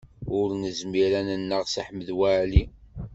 Ur nezmir ad nneɣ Si Ḥmed Waɛli.